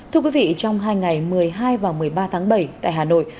thưa quý vị trong hai ngày một mươi hai và một mươi ba tháng bảy tại hà nội